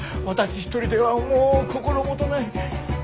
私一人ではもう心もとない。